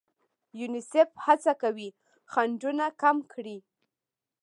یونیسف هڅه کوي خنډونه کم کړي.